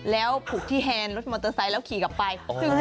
แล้วผูกที่แฮนด์รถมอเตอร์ไซค์แล้วขี่กลับไป